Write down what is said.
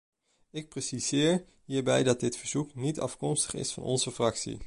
Ik preciseer hierbij dat dit verzoek niet afkomstig is van onze fractie.